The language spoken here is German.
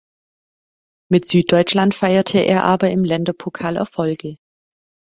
Mit Süddeutschland feierte er aber im Länderpokal Erfolge.